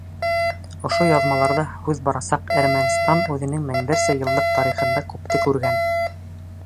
Ошо яҙмаларҙа һүҙ барасаҡ Әрмәнстан үҙенең меңдәрсә йыллыҡ тарихында күпте күргән.